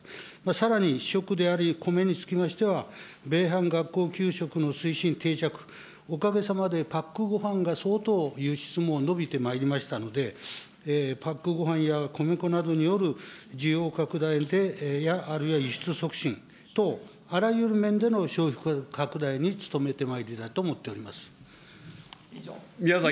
さらに主食であり、米につきましては、米飯学校給食の推進、定着、おかげさまでパックごはんが相当輸出も伸びてまいりましたので、パックごはんや米粉などによる需要拡大や、あるいは輸出促進等、あらゆる面での消費拡大に努めてまいりたいと思っております。